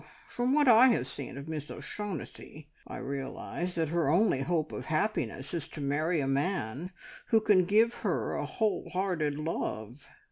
From what I have seen of Miss O'Shaughnessy, I realise that her only hope of happiness is to marry a man who can give her a whole hearted love."